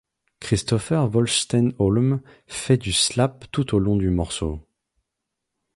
Christopher Wolstenholme fait du slap tout au long du morceau.